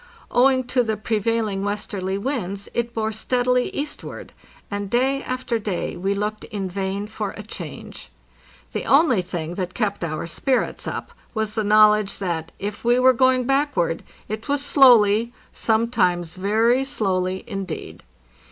Owing to the prevailing westerly winds it bore steadily eastward, and day after day we looked in vain for a change. The only thing that kept our spirits up was the knowledge that, if we were going backward, it was slowly, sometimes very slowly, indeed.